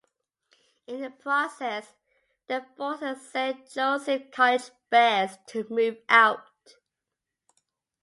In the process, they forced the Saint Joseph's College Bears to move out.